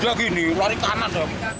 dia gini lari ke kanan